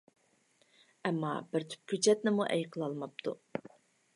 ئەمما بىر تۈپ كۆچەتنىمۇ ئەي قىلالماپتۇ.